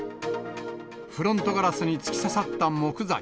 フロントガラスに突き刺さった木材。